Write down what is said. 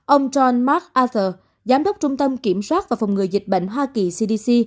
ông john mark aso giám đốc trung tâm kiểm soát và phòng ngừa dịch bệnh hoa kỳ cdc